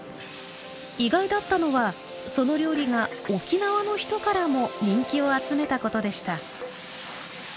意外だったのはその料理が沖縄の人からも人気を集めたことでした。